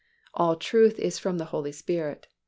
All truth is from the Holy Spirit.